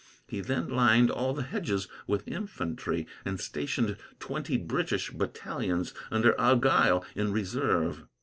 He then lined all the hedges with infantry, and stationed twenty British battalions, under Argyle, in reserve.